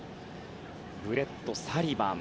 ブレット・サリバン。